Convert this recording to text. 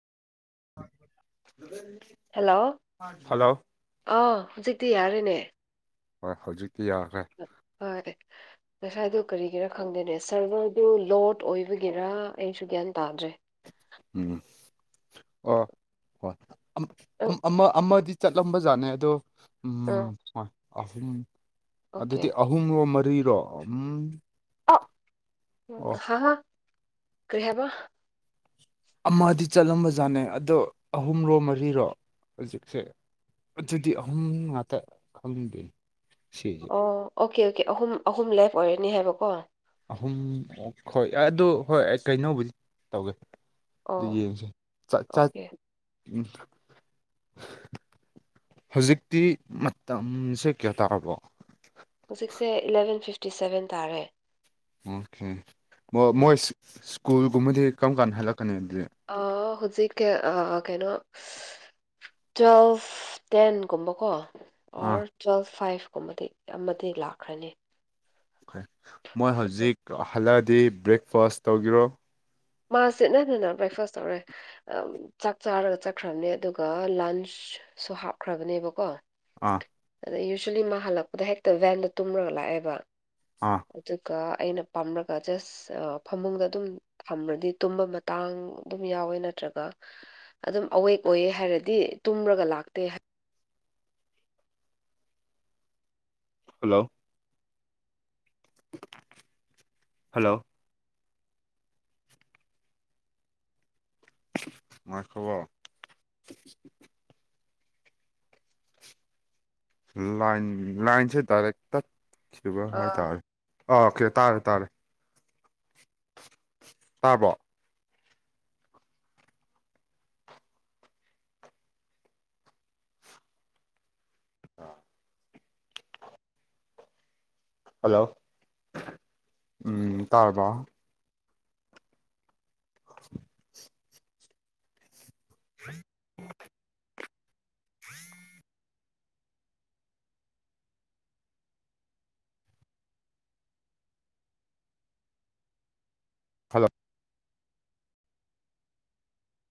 [unintelligible] hello hello ꯑꯥ ꯍꯧꯖꯤꯛꯇꯤ ꯌꯥꯔꯦꯅꯦ ꯍꯣꯏ ꯍꯧꯖꯤꯛꯇꯤ ꯌꯥꯈ꯭ꯔꯦ ꯍꯣꯏ ꯉꯁꯥꯏꯗꯨ ꯀꯔꯤꯒꯤꯔꯥ ꯈꯪꯗꯦꯅꯦ ꯁꯔꯚꯔꯗꯨ ꯂꯣꯗ ꯑꯣꯏꯕꯒꯤꯔ ꯑꯩꯁꯨ ꯒ꯭ꯌꯥꯟ ꯇꯥꯗ꯭ꯔꯦ ꯎꯝ ꯑꯣ ꯍ ꯑꯪ ꯑꯃ ꯑꯃꯗꯤ ꯆꯠꯂꯝꯕꯖꯥꯠꯅꯦ ꯑꯗꯣ ꯎꯝ ꯑꯥ ꯍꯣꯏ ꯑꯍꯨꯝ ꯑꯣꯀꯦ ꯑꯗꯨꯗꯤ ꯑꯍꯨꯝ ꯑꯍꯨꯝꯔꯣ ꯃꯔꯤꯔꯣ ꯎꯝ ꯑꯣ ꯑꯣ ꯍ ꯍ ꯀꯩ ꯍꯥꯏꯕ ꯑꯃꯗꯤ ꯆꯠꯂꯝꯕ ꯖꯥꯠꯅꯦ ꯑꯗꯣ ꯑꯍꯨꯝꯔꯣ ꯃꯔꯤꯔꯣ ꯍꯧꯖꯤꯛꯁꯦ ꯑꯗꯨꯗꯤ ꯑꯍꯨꯝ ꯉꯥꯛꯇ ꯈꯪꯅꯤꯡꯗꯣꯏꯅꯤ ꯑꯣ ꯑꯣꯀꯦ ꯑꯣꯀꯦ ꯑꯍꯨꯝ ꯑꯍꯨꯝ ꯂꯦꯞ ꯑꯣꯏꯔꯅꯤ ꯍꯥꯏꯕꯀꯣ ꯑꯍꯨꯝ ꯍꯣꯏ ꯑꯗꯨ ꯍꯣꯏ ꯑꯩ ꯀꯩꯅꯣꯕꯨꯗꯤ ꯇꯧꯒꯦ ꯑꯗꯨ ꯌꯦꯡꯁꯦ ꯆꯠ ꯑꯣꯀꯦ ꯎꯝ ꯍꯧꯖꯤꯛꯇꯤ ꯃꯇꯝꯁꯦ ꯀꯌꯥ ꯇꯥꯔꯕꯣ ꯍꯧꯖꯤꯛꯁꯦ ꯏꯂꯕꯦꯟ ꯐꯤꯐꯇꯤ ꯁꯕꯦꯟ ꯇꯥꯔꯦ ꯑꯣꯀꯦ ꯃꯣꯏ ꯁ꯭ꯀꯨꯜꯒꯨꯝꯕꯗꯤ ꯀꯔꯝ ꯀꯥꯟꯗ ꯍꯜꯂꯛꯀꯅꯤ ꯑꯗꯨꯗꯤ ꯑ ꯍꯧꯖꯤꯛ ꯀꯦ ꯀꯩꯅꯣ ꯇ꯭ꯋꯦꯜꯐ ꯇꯦꯟꯒꯨꯝꯕꯀꯣ ꯑ ꯇ꯭ꯨꯋꯦꯜ ꯐꯥꯏ꯭ꯚ ꯀꯨꯝꯕꯗꯤ ꯑꯃꯗꯤ ꯂꯥꯛꯈꯔꯅꯤ ꯃꯣꯏ ꯍꯧꯖꯤꯛ ꯍꯜꯂꯛꯑꯗꯤ ꯕ꯭ꯔꯦꯛꯐꯥꯁ꯭ꯠ ꯇꯧꯒꯗꯔꯣ ꯃꯥꯁꯦ ꯅꯠꯇꯦ ꯕ꯭ꯔꯦꯛꯐꯥꯁ ꯇꯧꯔꯦꯏ ꯆꯥꯛ ꯆꯥꯔꯒ ꯆꯠꯈ꯭ꯔꯕꯅꯦ ꯑꯗꯨꯒ ꯂꯟꯁꯁꯨ ꯍꯥꯞꯈ꯭ꯔꯕꯅꯦꯕꯀꯣ ꯑꯥ ꯑꯗ ꯌꯨꯖ꯭ꯋꯦꯂꯤ ꯃꯥ ꯍꯜꯂꯛꯄꯗ ꯍꯦꯛꯇ ꯚꯦꯟꯗ ꯇꯨꯝꯔꯒ ꯂꯥꯛꯑꯦꯕ ꯑꯥ ꯑꯗꯨꯒ ꯑꯩꯅ ꯄꯥꯝꯂꯒ ꯖꯁ ꯐꯃꯨꯡꯗ ꯑꯗꯨꯝ ꯐꯝꯔꯗꯤ ꯇꯨꯝꯕ ꯃꯇꯥꯡ ꯑꯗꯨꯝ ꯌꯥꯎꯋꯦ ꯅꯠꯇ꯭ꯔꯒ ꯑꯗꯨꯝ ꯑꯋꯦꯛ ꯑꯣꯏꯌꯦ ꯍꯥꯏꯔꯗꯤ ꯇꯨꯝꯔꯒ ꯂꯥꯛꯇꯦ ꯍꯜꯂꯣ ꯍꯜꯂꯣ ꯉꯥꯏꯈꯣꯀꯣ ꯂꯥꯏꯟ ꯂꯥꯏꯟꯁꯦ ꯗꯥꯏꯔꯦꯛ ꯇꯠꯈꯤꯕ ꯑꯥ ꯍꯥꯏꯇꯥꯔꯦ ꯑꯣꯀꯦ ꯇꯥꯔꯦ ꯇꯥꯔꯦ ꯇꯥꯕ꯭ꯔꯣ ꯑꯥ ꯍꯜꯂꯣ ꯎꯝ ꯇꯥꯔꯕꯣ ꯑ [inaudible] ꯐ [inaudible] ꯍ [inaudible] ꯍꯜꯂꯣ